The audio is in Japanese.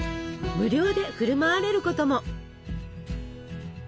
無料で振る舞われることも。